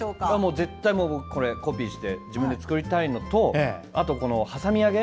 絶対にコピーして自分で作りたいのとこのはさみ揚げ